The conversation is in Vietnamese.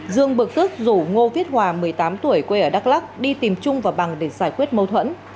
dương bực tức rủ ngô viết hòa một mươi tám tuổi quê ở đắk lắc đi tìm trung và bằng để giải quyết mâu thuẫn